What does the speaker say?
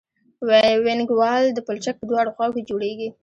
وینګ وال د پلچک په دواړو خواو کې جوړیږي